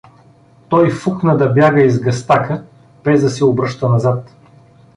Той фукна да бяга из гъстака, без да се обръща назад.